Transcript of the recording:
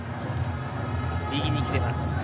右に切れます。